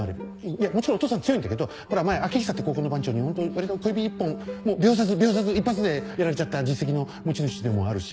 いやもちろんお父さん強いんだけど前開久って高校の番長にホント割と小指一本もう秒殺秒殺一発でやられちゃった実績の持ち主でもあるし。